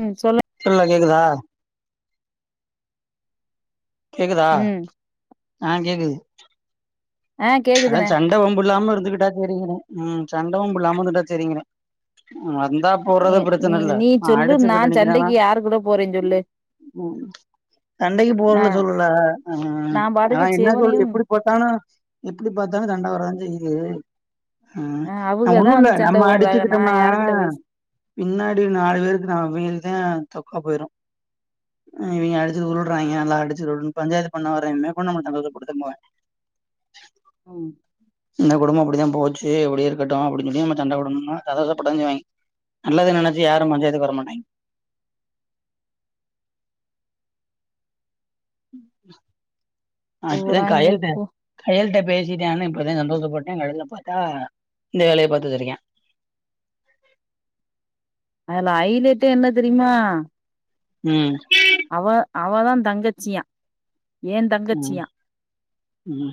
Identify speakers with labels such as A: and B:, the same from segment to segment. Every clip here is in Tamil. A: ம் சொல்லு
B: சொல்ல கேக்குதா கேக்குதா
A: ம்
B: ஆ கேக்குது
A: ஆ
B: அத சன்னு
A: கேக்குதுண்ணே
B: சண்ட வம்புலாம இருந்துகிட்டா சேரிங்குற ம் சண்ட வம்புலாம இருந்துட்டா சரிங்குற தா
A: நீ
B: போட்றது
A: நீ
B: பிரச்சனல்ல
A: நீ சொல்லு நா
B: அடிச்சுக்கிட்டு நிக்கிறான்னா
A: சண்டைக்கு யாரு கூட போறேன்னு சொல்லு
B: ம் சண்டக்கு
A: நா
B: போறல சொல்லல ஆ
A: நா
B: ஆனா
A: பாட்டுக்கு
B: என்ன சொல்ல
A: சிவனையும்
B: எப்படி ஆனா எப்டி பாத்தாலு சண்ட வரதா செய்யுது ஆ ந
A: அவுகதா
B: ஒண்ணில்ல
A: வந்து சண்ட
B: நம்ம
A: போடுறாக நா
B: அடிச்சுக்கிட்டோம்னா
A: யாருகிட்ட பேச
B: பின்னாடி நாலு பேருக்கு நா அவிகளுக்கு தா தொக்கா போயிரு இவிங்க அடிச்சு உருல்றாங்க நல்லா அடிச்சு லொல்லு பஞ்சாயத் பண்ண வரேன்னு [unintelligible] கொடுத்து போவேன்
A: ம்
B: இந்த குடும்ப அப்படிதா போச்சு இப்பிடி இருக்கட்டு அப்படி சொல்லி நம்ம சண்ட போடனுன கதவதா பொடஞ்சுவாங்க நல்லது நெனைச்சு யாரு பஞ்சாயத்துக்கு வர மாட்டாய்ங்க அ இப்பத்தா
A: போறாய்ங்க
B: கயல்ட்ட
A: போ
B: கயல்ட்ட பேசிட்டேனு இப்போத சந்தோஷப்பட்டே கடசில பாத்தா இந்த வேலைய பாத்துகுட் இருக்கே
A: அதுல ஐலேட்டே என்ன தெரியுமா
B: ம்
A: அவ அவதா தங்கச்சியா ஏ
B: ம்
A: தங்கச்சியா
B: ம்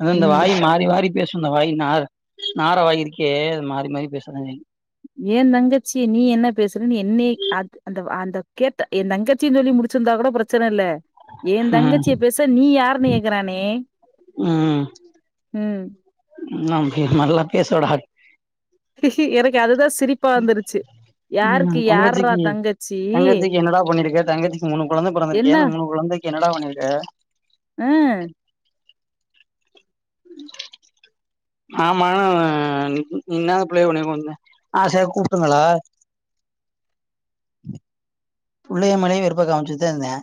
B: அத இந்த
A: ம்
B: வாய் மாறி மாறி பேசு அந்த வாயி நார் நார வாய் இருக்கே அது மாறி மாறி பேசாதா செய்யு
A: ஏ தங்கச்சிய நீ என்ன பேசுறன் என்னய அ அந்த அந்த கேட்ட ஏ தங்கச்சின் சொல்லி முடுச்சிர்ந்தா கொட ப்ரச்சன இல்ல ஏ
B: ம்
A: தங்கச்சிய பேச நீ யாருன்னு கேக்குறானே ம்
B: நா இது மார்லா பேசவிடாது
A: எனக்கு அதுதா சிரிப்பா வந்துருச்சு யாருக்கு
B: ம்
A: யார்ரா
B: தங்கச்சிக்கு
A: தங்கச்சி
B: தங்கச்சிக்கு என்னடா பண்ணிருக்க தங்கச்சிக்கு மூனு கொழந்த
A: என்ன
B: பொறந்திருக்கே அந்த மூனு கொழந்தைக் என்னடா பண்ணிர்க்க
A: ம்
B: மாமா [unintelligible] ஆசயா கூப்ட்டுங்களா புள்ளைய மேலயு வெறுப்ப காம்ச்சுட்த இருந்தே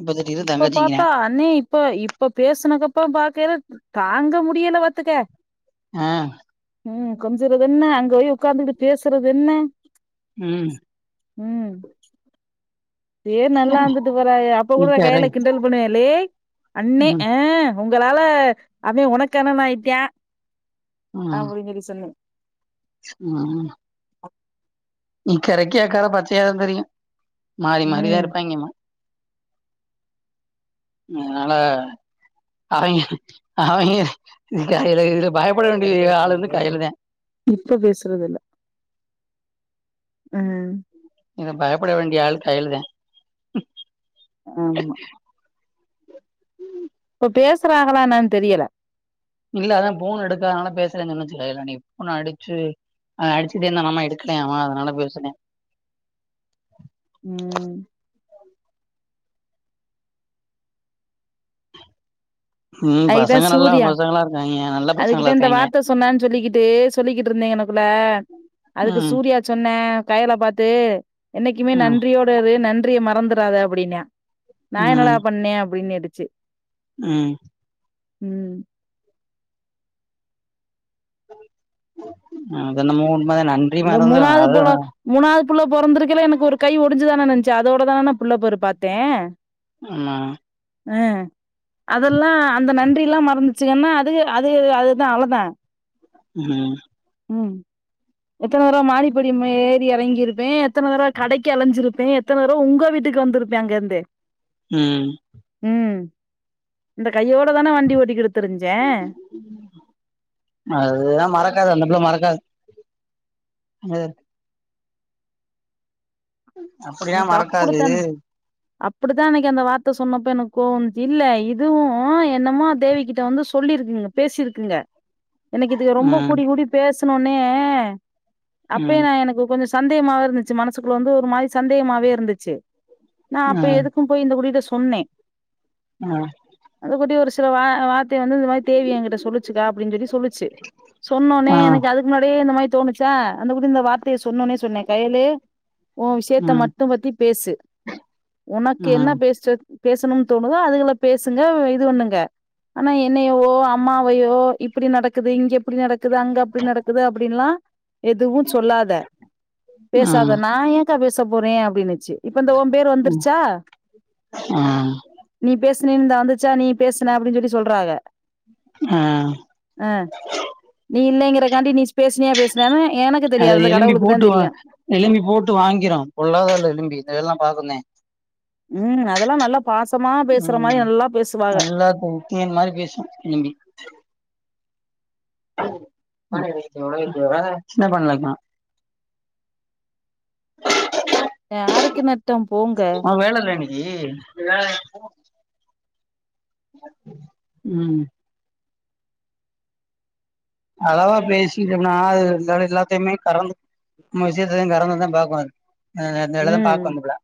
B: இப்ப திடீர்னு
A: இப்பொ
B: தங்கச்சிங்கிறே
A: பாத்தா அண்ணே இப்ப இப்ப பேசுனக்கப்பற்ம் பாக்கைல தாங்க முடியல பாத்துக்க
B: அ
A: ம் கொஞ்சுறது என்ன அங்க ஓய் உக்காந்துகிட்டு பேசுறது என்ன
B: ம்
A: ம் சேர் நல்லா இருந்துட்டு போறாக அப்ப கூட
B: இக்கரை
A: கையல கிண்டல் பண்ணுவே லேய் அண்ணே
B: ம்
A: அ உங்களால அவெ ஒனக்கு அண்ணன் ஆயிட்டா
B: ம்
A: அப்ட்ன்னு சொல்லி சொன்னே
B: [unintelligible] இக்கரைக்கு அக்கற பச்சையாதா தெரியு மாறி மாறிதா
A: ம்
B: இருப்பாங்கம்மா அதுனால அவெங்க அவெங்க இது கையலு இதுல பயப்புட வேண்டிய ஆள் வந்து கயலுதெ
A: இப்ப பேசுறது இல்ல அ
B: இத பயப்பட வேண்டிய ஆள் கயலுதெ
A: ஆமா இப்போ பேசுறாகளா என்னன் தெரியல
B: இல்ல அதா போன் எடுக்காதனால பேசலன் சொன்னுச்சில இல்ல நீ ஃபோன் அடுச்சு அ அடிச்சுட்டே இருந்தா மாமா எடுக்லையாமா அதனால பேசுனே
A: ம்
B: ம்
A: அதுக்குதா
B: பசங்க நல்லா
A: சூர்யா
B: பசங்களா இருக்காங்கெ நல்ல பசங்களா இருக்காங்கெ
A: சொன்னான் சொல்லிக்கிட்டு சொல்லிக்கிட்டு இருந்தே இங்னக்குள்ள அதுக்கு
B: ம்
A: சூர்யா சொன்னே கயல பாத்து என்னெக்குமே
B: ம்
A: நன்றியோடு இரு நன்றிய மறந்துறாத அப்டின்னே நா என்னடா
B: ம்
A: பண்ணே அப்டின் கேட்டுச்சு
B: ம்
A: ம்
B: அ அது என்னமோ உண்மதா நா
A: இந்த மூணாது புள்ள மூணாவது புள்ள பொறந்துருக்கயில எனக்கு ஒரு கை ஒடிஞ்சிதான அண்ண இருந்துச்சி அதோடதான நா புள்ள போரு பாத்தே
B: ஆமா
A: அ அதெல்லா அந்த நன்றில்லா மறந்துச்சிங்கனா அதுக அதுக அதுதா அவ்ளோதா
B: ம்
A: ம் எத்தன தடவ மாடிப்படி ஏறி இறங்கியிருப்பே எத்தன தடவ கடைக்கு அலைஞ்சிருப்பே எத்தன தடவ உங்க வீட்டுக்கு வந்திருப்ப அங்கேருந்து
B: ம்
A: ம் இந்த கையோடதான வண்டி ஓட்டிகிட்டு திரிஞ்சே
B: அதுதா மறக்காது அந்த பிள்ள மறக்காது ங்க அப்டிலா
A: எனக்கு
B: மறக்காது
A: அப்டிதான் அப்டிதா அன்னைக்கு அந்த வார்த்த சொன்னப்ப எனக்கு கோவோ வந்துச்சி இல்ல இதுவு என்னமோ தேவி கிட்ட வந்து சொல்லியிருக்குங்க பேசிருக்குங்க எனக்கு இதுக ரொம்ப
B: ம்
A: கூடி கூடி பேசினோன்னே அப்பயே
B: ம்
A: நா எனக்கு கொஞ்சோ சந்தேகமாவே இருந்துச்சி மனசுக்குள்ள வந்து ஒரு மாரி சந்தேகமாவே இருந்துச்சி நா அப்ப
B: ம்
A: எதுக் கு போய் இந்த குட்டி கிட்ட சொன்னே
B: ஆ
A: அந்த குட்டி ஒரு சில வா வார்த்தை வந்து இந்த மாரி தேவி என்கிட்ட சொல்லிச்சிக்கா அப்டின்னு சொல்லி சொல்லிச்சி சொன்னோனே
B: ஆ
A: எனக்கு அது முன்னாடியே இந்த மாரி தோணுச்சா அந்த குட்டி இந்த வார்த்தையே சொன்னோனே சொன்ன கயலு உ விஷ் யத்த
B: ம்
A: மட்டு பத்தி பேசு உனக்கு என்ன
B: ம்
A: பேசுறது பேசணுனு தோணுதோ அதுகள பேசுங்க இது பண்ணுங்க ஆனா என்னையவோ அம்மாவையோ இப்டி நடக்குது இங்க இப்டி நடக்குது அங்க அப்டி நடக்குது அப்டின்லா எதுவு சொல்லாத
B: ம்
A: பேசாத நா ஏங்க்கா பேச போறே அப்டின்னுச்சி இப்ப இந்த ஓ பேரு
B: ம்
A: வந்துருச்சா
B: ஆ
A: நீ பேசுனினு இந்தா வந்துச்சா நீ பேசின அப்டின்னு சொல்லி சொல்றாங்க
B: அ
A: அ நீ இல்லைங்கறகாண்டி நீ பேசினியா பேசினியானு எனக்கு
B: அது
A: தெரியாது அந்த
B: எலும்பி
A: கடவுளுக்குதா
B: போட்டு வா
A: தெரியு
B: எலும்பி போட்டு வாங்கிரு பொல்லாத ஆளு எலும்பி இந்த வேலை எல்லா பாக்குந்தே
A: ம் அதெல்லா நல்லா பாசமா பேசுற மாரி நல்லா பேசுவாக
B: எல்லாருக்கு தேன் மாரி பேசும் எலும்பி சனக்கண்ணலக்கனா
A: யாருக்கு நட்டம் போங்க
B: அ வேல இல்ல இனி னி, ம் அளவா பேசிட்டோம்னா அது இந்தடவ எல்லாத்தயுமே கறந்து நம்ம விஷயத்ததா கறந்ததா பாக்கு அது அ அந்த வேலதா
A: ம்
B: பாக்கு அந்த புள்ள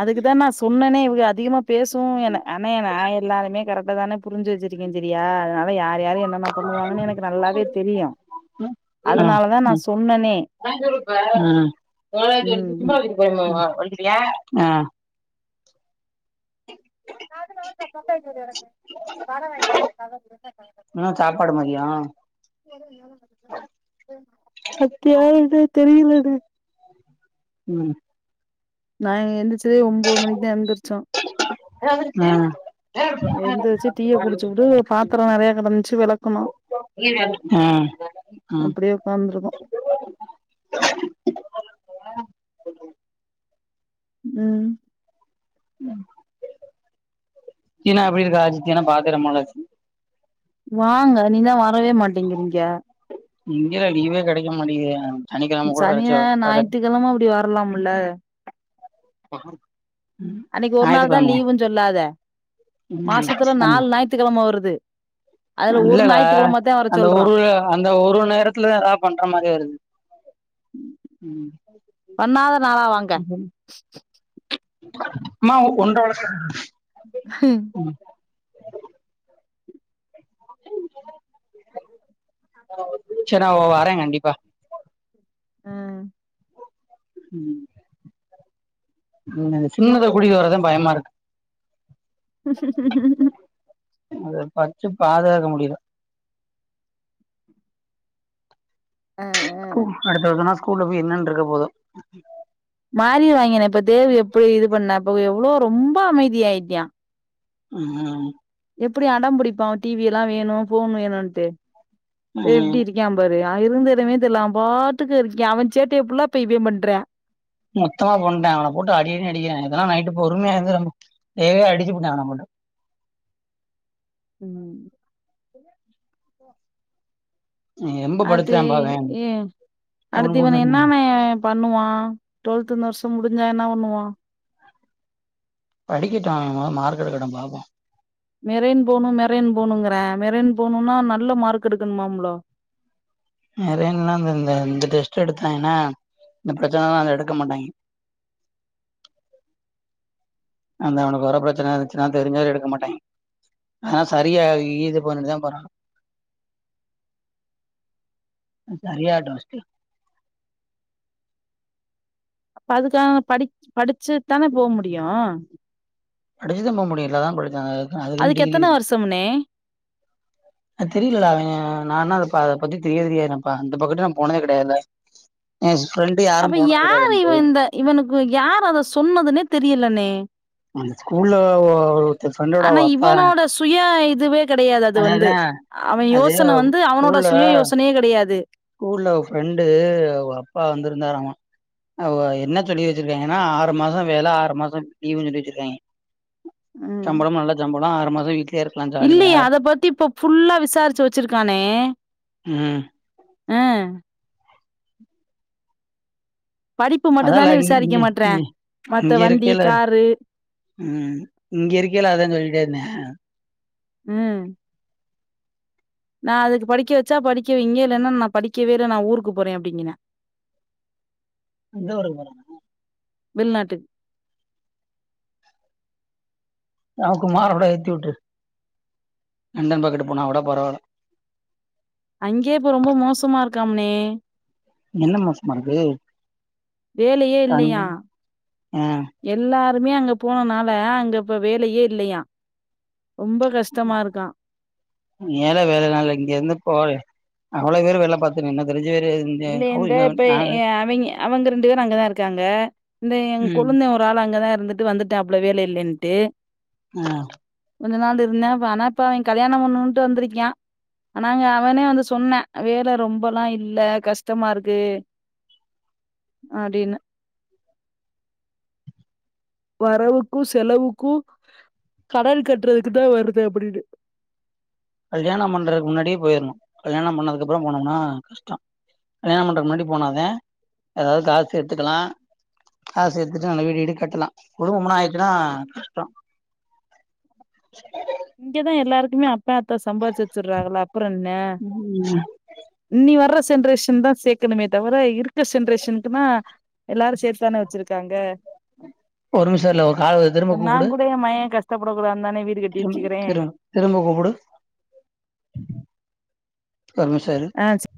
A: அதுக்குதா நா சொன்னனே இவுக அதிகமா பேசும் என்ன அண்ணே நா எல்லாருமே கரெட்டா தான புரிஞ்சு வச்சிருக்கே சரியா அதனால யார் யாரு என்னென்ன பண்ணுவாங்கனு எனக்கு நல்லாவே தெரியு
B: அ
A: அதனாலதா நா
B: ம்
A: சொன்னனே
B: ஆ காஞ்சுருப்ப
A: ம்
B: சோரக்கிவச்சிட்டு திம்பாளுக சரி பெரிம்மா வந்துட்டியா ஆ
A: அது மாரி தான் எனக் கடன் வாங்கிட்டு வந்த கதவு
B: என்ன சாப்பாடு மதியோ
A: அத்துயாரது தெரியிலது
B: ம்
A: நா எந்திர்சதே ஒம்போது மணிக்தா எந்திர்ச்சோம் எந்திரிச்சு
B: ஆ
A: டீய குடிச்சுபுட்டு பாத்திரோ நெறைய கெடந்துச்சு
B: ஆ
A: வெளக்குனோ
B: ம்
A: அப்டியே உக்காந்துருக்கோ
B: ஆ
A: ம்
B: தீனா எப்டி இருக்கா அஜித்தீனா பாத்து ரம்ப நாளாச்சி
A: வாங்க நீதா வரவே மாட்டேங்றீங்க
B: இங்கதா லீவே கெடக்கமாட்டேங்துங்க
A: சனிய ஞாத்துகெழம இப்டி வரலாமுல்ல
B: மகா
A: அன்னக்கி ஒரு நாள் தா லீவுஞ்சொல்லாத மாசத்துல
B: ம்
A: நாலு ஞாத்துகெழம வருது அதுல ஒரு
B: இல்லடா
A: ஞாயித்துக்கிழம தா வர
B: அந்த
A: சொல்றோ
B: ஒரு அந்த ஒரு நேரத்துல எதா பண்ற மாரி வருது
A: பண்ணாத நாளா வாங்க
B: ம்மா ஒன்றர வர்ச சென்னா வர கண்டிப்பா
A: அ
B: ம் ந சின்னது குடி வரதுதா பயமா இருக்கு
A: [unintelligible]
B: அத பச்சு பாதுகாக்க முடியில
A: ஆ அ
B: அடுத்த வருஷனா ஸ்கூல்ல போய் என்னன்ருக்க போதோ
A: மாறி வாங்கினே இப்ப தேவி எப்டி இது பண்ணா இப்போ எவ்ளோ ரொம்ப அமைதியாயிட்டியா
B: ம்
A: எப்டி அடம்புடிப்பா டி வி லா வேணு ஃபோன் வேணுன்ட்டு இப்ப
B: ம்
A: எப்டி இருக் க்யான் பாரு அ இருந்த எடமே தெர்ல அவபாட்டுக்கு இருக்யான் அவன் சேட்டய புல்லாப்ப இவன் பண்றா
B: மொத்தமா பண்ட்டான் அவன போட்டு அடிஅடினு அடிக்கிறா நேத்துலா நைட்டு பொறுமையா இருந்து தேவியே அடிச்சு புட்டான் அவன போட்டு
A: ம்
B: எம்ப
A: அது
B: படுத்துறான் பாவே
A: ஏ
B: அப்டின்னு
A: அடுத்து இவன
B: போட்டு
A: என்னமேயம் பண்ணுவா டொல்த் இந்த வருஷம் முடிஞ்சா என்ன பண்ணுவான்
B: படிக்கட்டும் அவன் மொத மார்க் எடுக்கட்டும் பாப்போம்
A: மெரேன் போணு மெரேன் போணுங்கறேன் மெரேன் போணுனா நல்ல மார்க் எடுக்கணுமாம்ளோ
B: நறையாங்னா அந்த இந்த இந்த டெஸ்ட் எடுத்தா என்னா இந்த ப்ரச்சனல்லா அது எடுக்க மாட்டாய்ங்க. அந்த அவனுக்கு வர ப்ரச்சன இருந்துச்சுன்னா தெரிஞ்சாலு எடுக்க மாட்டாய்ங். ஆனா சரியாயி இது பண்ணுட்டு தா பண்ணனு.
A: [inaudible]
B: சரியா டோஸ்டியோ
A: இப்ப அதுக்காக படி படிச்சுத்தான போ முடியு.
B: படிச்சுத் தா போ முடியு. வீட்லதா படிச்சாங்க. அது அதுக்குன்னு
A: அதுக்கு
B: டிகிரி
A: எத்தன
B: இருக்கு.
A: வருஷம்னே
B: அ தெரியல டா அவே நா இன்னு அத ப அத பத்தி தெரியவே தெரியாது நண்பா அந்த பக்கத்து நா போனதே கெடயாது. ஏஸ் ஃப்ரெண்டு யா
A: அப்ப யாரு இவ இந்த இவனுக்கு யாரு அத சொன்னதுன்னே தெரியலண்ணே.
B: அவ ஸ்கூல்ல ஓ
A: ஆனா இவனோட சுய இதுவே கெடயாது அது வந்து.
B: அததா
A: அவெ
B: அது
A: யோசன வந்து அவனோட
B: ஸ்கூல்ல
A: சுய யோசனயே கெடயாது
B: ஸ்கூல்ல ஓ ஃப்ரெண்டு அவுக அப்பா வந்திருந்தாராமா அவுக என்ன சொல்லி வெச்சிருக்காங்கன்னா ஆறு மாசோ வேல ஆறு மாசோ லீவுனு சொல்லி வெச்சிருக்காய்ங்க. சம்பளமு நல்ல சம்பளோ ஆறு மாசோ வீட்லயே இரு
A: இல்லயே அத பத்தி இப்ப ஃபுல்லா விசார்ச்சு வெச்சிருக்கானே
B: ம்
A: ஆ படிப்பு
B: அதா ல
A: மட்டுந்தானே
B: இங் இங்க
A: விசாரிக்க மாட்றா
B: இங்க
A: மத்த
B: இங்க
A: வண்டி
B: இருக்கேல்ல
A: காரு
B: ம் இங்க இருக்கேல்ல அதா சொல்லிட்டே இருந்தெ.
A: அ நா அதுக்கு படிக்க வெச்சா படிக்கே வைங்க இல்லன்னா நா படிக்கவே இல்ல நா ஊருக்கு போறே அப்பிடிங்கின்னா.
B: எந்த ஊருக்கு போற
A: வெள்நாட்டுக்கு
B: நம்ம குமார அப்பிடியே ஏத்தி உட்ரு. லண்டன் பக்கட்டு போனா கூட பரவால.
A: அங்கே இப்ப ரொம்ப மோசமா இருக்காம்னே.
B: என்ன மோசமா இருக்கு
A: வேலெயே
B: தங்
A: இல்லையா
B: ஆ
A: எல்லாருமே அங்க போனனால அங்க இப்ப வேலெயே இல்லையா. ரொம்ப கஷ்டமா இருக்கா.
B: ஏல வேலனால்லா இங்க இருந்து போல. அவ்ளோ பேரு வேல பாத்து நின்னு தெருஞ்சு
A: இல்ல இந்த இப்ப அவிங்க அவங்க ரெண்டு பேரு அங்கதா இருக்காங்க. இந்தா எ
B: ம்
A: கொழுந்தெ ஒரு ஆள் அங்கதா இருந்துட்டு வந்துட்டாப்ள வேல இல்லன்ட்டு
B: அ
A: கொஞ்ச நாள் இருந்தா ஆனா இப்ப அவெ கல்யாணம் பண்ணனுட்டு வந்திருக்கியா. ஆனாங்க அவனே வந்து சொன்னா வேல ரொம்பல்லா இல்ல கஷ்டமா இருக்கு அப்பிடினு வரவுக்கு செலவுக்கு கடன் கட்றதுக்கு தா வருது அப்பிடின்னு
B: கல்யாணொ பண்றதுக்கு முன்னாடியே போயர்ணு. கல்யாணம் பண்ணதுக்கு அப்பறொ போனோம்னா கஷ்டொ கல்யாண பண்றதுக்கு முன்னாடி போனாதா எதாவ்து காசு எடுத்துக்கலா. காசு சேத்துட்டு நல்ல வீடு வீடு கட்டலா குடும்பொம்ன்னு ஆயிடுச்சுன்னா கஷ்டொ.
A: இங்கதா எல்லாருக்குமே அப்பெ ஆத்தா சம்பாத்ச்சு வெச்சிர்றாகள அப்பறொ என்ன.
B: ம்
A: இன்னி வர்ற சென்ரேஷன் தா சேக்கணுமே தவர இருக்க சென்ரேஷனுக்குனா எல்லாரு சேத்துதான வெச்சிருக்காங்க.
B: ஒரு நிமிஷோ இல்ல ஒரு கால் வருது
A: இப்ப
B: திரும்ப கூப்புடு
A: நாங்கூட ஏ மயெ கஷ்டப்படக்கூடாதுந்தானே வீடு க
B: திரும்ப திரும் திரும்ப கூப்புடு. ஒர்நிம்ஷொ இரு.
A: அ